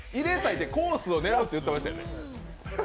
コースを狙うって言ってましたよね？